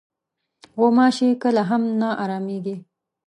غوماشې کله هم نه ارامېږي.